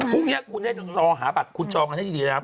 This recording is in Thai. พรุ่งนี้คุณได้รอหาบัตรคุณจองกันให้ดีนะครับ